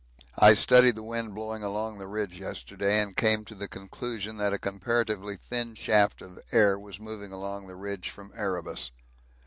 I studied the wind blowing along the ridge yesterday and came to the conclusion that a comparatively thin shaft of air was moving along the ridge from Erebus.